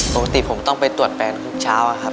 ปกติผมต้องไปตรวจแปลงกลุ่มเช้านะครับ